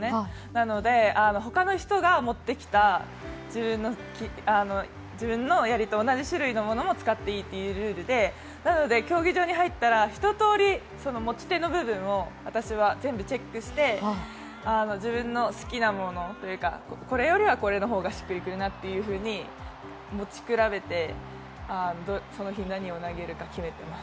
なので、他の人が持ってきた自分のやりと同じ種類のものも使っていいっていうルールでなので競技場に入ったら、一通り、持ち手の部分をチェックしてし、自分の好きなものというか、これよりはこれの方がしっくりくるなというふうに持ち比べて、その日何を投げるかを決めています。